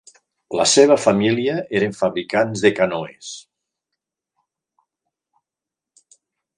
La seva família eren fabricants de canoes.